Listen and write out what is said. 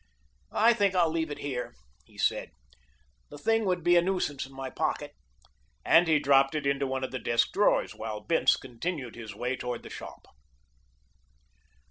"I think I'll leave it here," he said. "The thing would be a nuisance in my pocket," and he dropped it into one of the desk drawers, while Bince continued his way toward the shop.